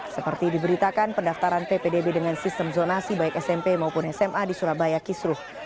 seperti diberitakan pendaftaran ppdb dengan sistem zonasi baik smp maupun sma di surabaya kisruh